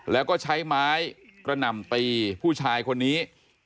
แล้วก็ใช้ไม้กระหน่ำตีผู้ชายคนนี้